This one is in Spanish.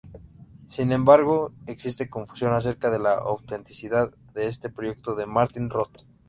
Sin embargo existe confusión acerca de la autenticidad de este proyecto de Martin Roth.